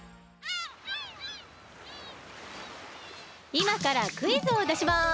いまからクイズをだします。